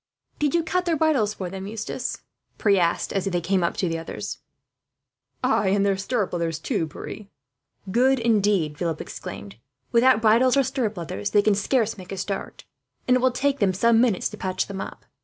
"Did you cut their bridles for them, Eustace?" he asked, as they came up to the others. "Ay, and their stirrup leathers, too, Pierre." "Good, indeed!" Philip exclaimed. "Without bridles or stirrup leathers, they can scarce make a start; and it will take them some minutes to patch them up.